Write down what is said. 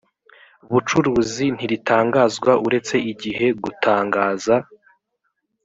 bucuruzi ntiritangazwa uretse igihe gutangaza